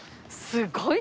すごい！